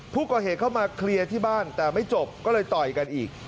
เข้ามาเคลียร์ที่บ้านแต่ไม่จบก็เลยต่อยกันอีก